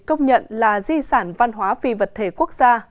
công nhận là di sản văn hóa phi vật thể quốc gia